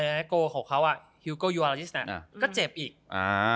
เอ่อโกของเขาอ่ะฮิวโก้ยอริสต์น่ะอ่าก็เจ็บอีกอ่า